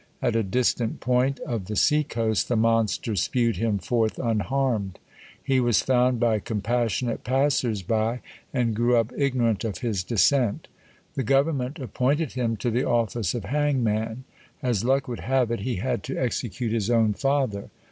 At a distant point of the sea coast the monster spewed him forth unharmed. He was found by compassionate passers by, and grew up ignorant of his descent. The government appointed him to the office of hangman. As luck would have it, he had to execute his own father.